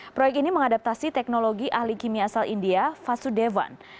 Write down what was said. proyek ini mengadaptasi teknologi ahli kimia asal india fasudevan